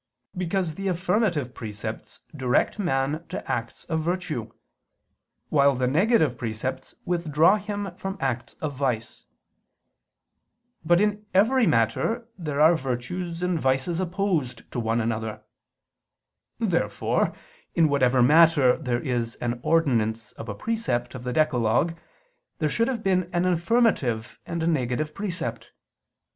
Because the affirmative precepts direct man to acts of virtue, while the negative precepts withdraw him from acts of vice. But in every matter there are virtues and vices opposed to one another. Therefore in whatever matter there is an ordinance of a precept of the decalogue, there should have been an affirmative and a negative precept.